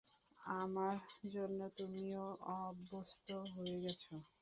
আমার জন্যে তুমিও অভ্যস্ত হয়ে গেছো।